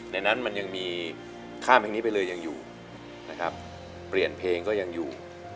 ในนั้นมันมีค่าเพลงนี้ไปเลยยังอยู่เปลี่ยนเพลงก็ยังอยู่